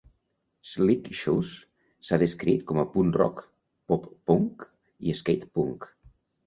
Slick Shoes s'ha descrit com a punk rock, pop punk i skate punk.